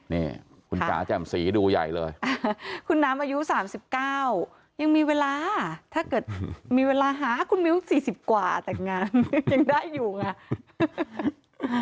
นี่คุณจ๋าแจ่มสีดูใหญ่เลยคุณน้ำอายุ๓๙ยังมีเวลาถ้าเกิดมีเวลาหาคุณมิ้ว๔๐กว่าแต่งงานยังได้อยู่ไง